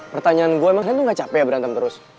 pertanyaan gue emang saya tuh gak capek ya berantem terus